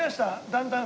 だんだん。